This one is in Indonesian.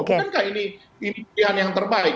mungkinkah ini pilihan yang terbaik